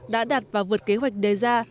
đã đạt và vượt kế hoạch đề ra